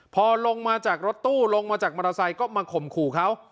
พอลงมาจากรถตู้ลงมาจากมอเตอร์ไซค์ก็มาข่มขู่เขา